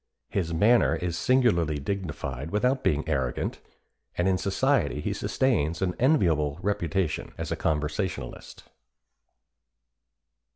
His manner is singularly dignified without being arrogant, and in society he sustains an enviable reputation as a conversationalist."